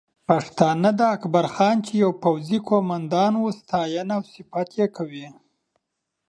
پښتانه اکبرخان ته چې یو پوځي قومندان و، ستاینه کوي